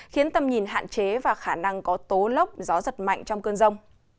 khiến tầm nhìn hạn chế và khả năng có tố lốc gió giật mạnh trong cơn rông